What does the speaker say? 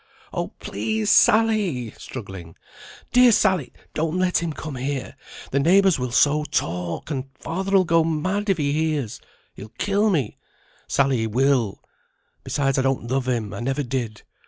"Oh, please, Sally," struggling, "dear Sally! don't let him come here, the neighbours will so talk, and father'll go mad if he hears; he'll kill me, Sally, he will. Besides, I don't love him I never did.